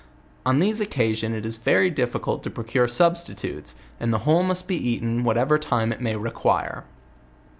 On these occasion it is very difficult to procure sub stitutes, and the whole must be eaten whatever time it may require.